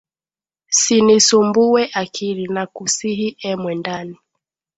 Sinisumbuwe akili, nakusihi e mwendani,